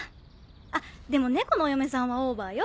あっでも猫のお嫁さんはオーバーよ。